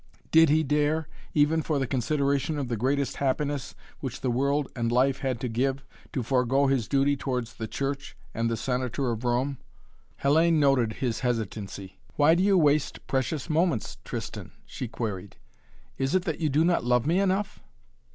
Did he dare, even for the consideration of the greatest happiness which the world and life had to give, to forego his duty towards the Church and the Senator of Rome? Hellayne noted his hesitancy. "Why do you waste precious moments, Tristan?" she queried. "Is it that you do not love me enough?"